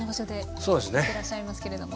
振ってらっしゃいますけれども。